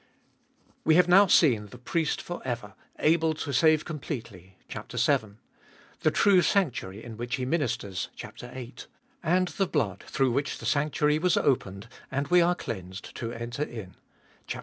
WE have now seen the Priest for ever, able to save completely (chap, vii.) ; the true sanctuary in which He ministers (chap, viii.) ; and the blood through which the sanctuary was opened, and we are cleansed to enter in (chap.